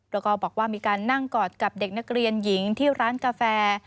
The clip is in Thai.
แล้วก็บอกว่ามีการนั่งกอดกับเด็กนักเรียนหญิงที่ร้านกาแฟ